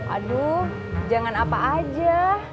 aduh jangan apa aja